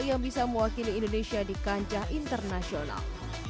yang bisa mewakili indonesia di kancah internasional